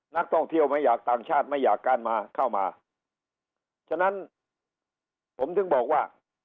นักท่องเที่ยวไม่อยากต่างชาติไม่อยากการมาเข้ามาฉะนั้นผมถึงบอกว่า